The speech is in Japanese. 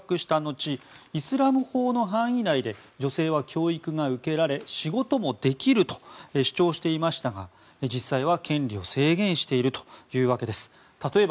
去年８月実権を掌握した後イスラム法の範囲内で女性は教育を受けられ仕事もできると主張していましたが実際は権利を制限しているというわけです。